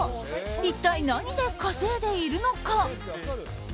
一体、何で稼いでいるのか。